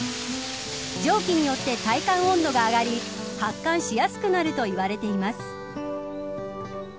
蒸気によって体感温度が上がり発汗しやすくなるといわれています。